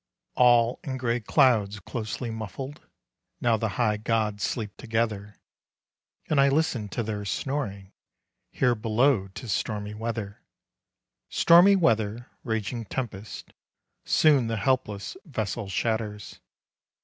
XI. All in gray clouds closely muffled, Now the high gods sleep together, And I listen to their snoring. Here below 'tis stormy weather. Stormy weather, raging tempest Soon the helpless vessel shatters.